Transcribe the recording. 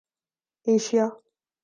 Asia